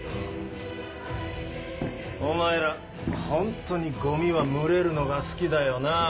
お前らホントにゴミは群れるのが好きだよなぁ。